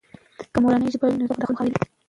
که مورنۍ ژبه وي، نو زده کړه به له خنډونو خالي وي.